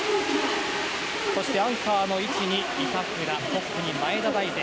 そしてアンカーの位置に板倉トップに前田大然。